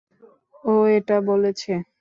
ও এটা বলেছে?